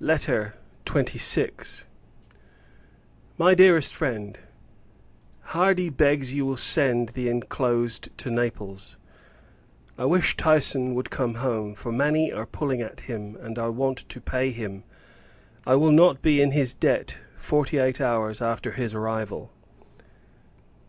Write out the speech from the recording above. LETTER XXVI. MY DEAREST FRIEND, Hardy begs you will send the inclosed to Naples. I wish Tyson would come home; for many are pulling at him, and I want to pay him. I will not be in his debt forty eight hours after his arrival.